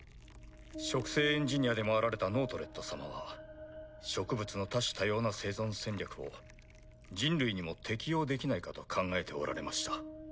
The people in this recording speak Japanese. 植生エンジニアでもあられたノートレット様は植物の多種多様な生存戦略を人類にも適用できないかと考えておられました。